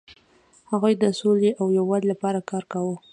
هغوی د سولې او یووالي لپاره کار کاوه.